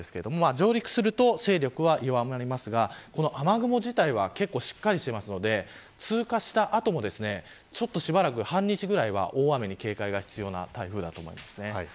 上陸すると勢力は弱まりますが雨雲自体は結構しっかりしてますので通過した後もしばらく半日くらいは大雨に警戒が必要な台風だと思います。